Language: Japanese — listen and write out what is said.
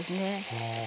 はあ。